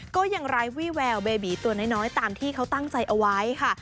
ก็ยังไร้วี่แววเบบีตัวน้อยตามที่เขาตั้งใจเอาไว้ค่ะ